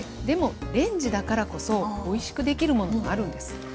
でもレンジだからこそおいしくできるものもあるんです。